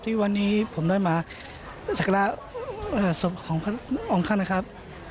ที่วันนี้ผมได้มาสักการะศพของพระองค์ท่านนะครับ